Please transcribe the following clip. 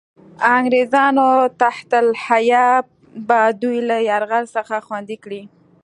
انګرېزانو تحت الحیه به دوی له یرغل څخه خوندي کړي.